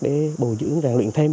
để bồi dưỡng ràng luyện thêm